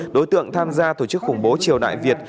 đối tượng tham gia tổ chức khủng bố triều đại việt